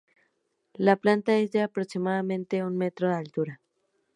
La planta es de aproximadamente un metro de altura.